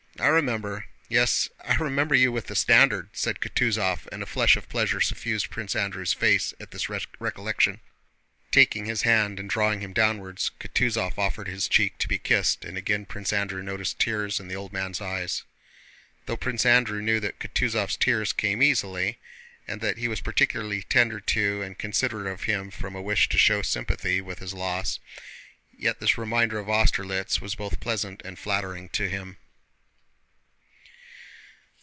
I remember, yes, I remember you with the standard!" said Kutúzov, and a flush of pleasure suffused Prince Andrew's face at this recollection. Taking his hand and drawing him downwards, Kutúzov offered his cheek to be kissed, and again Prince Andrew noticed tears in the old man's eyes. Though Prince Andrew knew that Kutúzov's tears came easily, and that he was particularly tender to and considerate of him from a wish to show sympathy with his loss, yet this reminder of Austerlitz was both pleasant and flattering to him.